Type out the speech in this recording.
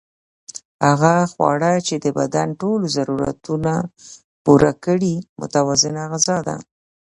هغه خواړه چې د بدن ټول ضرورتونه پوره کړي متوازنه غذا ده